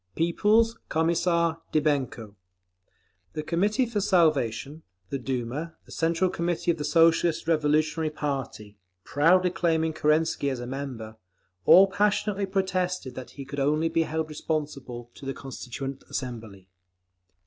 _ People's Commissar DYBENKO. The Committee for Salvation, the Duma, the Central Committee of the Socialist Revolutionary party—proudly claiming Kerensky as a member—all passionately protested that he could only be held responsible to the Constituent Assembly.